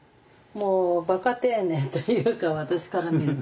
もうバカ丁寧というか私から見ると。